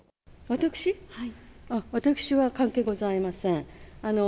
私は関係ございません。